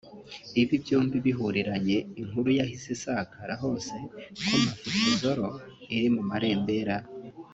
Ibi byombi bihuriranye inkuru yahise isakara hose ko Mafikizolo iri mu marembera